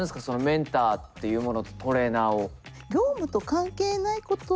メンターっていうものとトレーナーを。